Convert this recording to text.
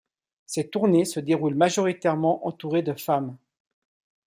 Ses tournées se déroulent majoritairement entourée de femmes.